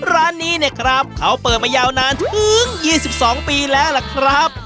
ร้านนี้เนี่ยครับเขาเปิดมายาวนานถึง๒๒ปีแล้วล่ะครับ